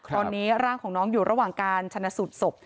ตอนนี้ร่างของน้องอยู่ระหว่างการชนะสูตรศพ